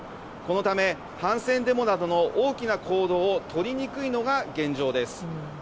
このため反戦デモなどの大きな行動をとりにくいのが現状です。